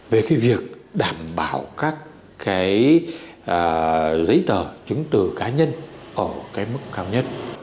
về cái việc đảm bảo các cái giấy tờ chứng từ cá nhân ở cái mức cao nhất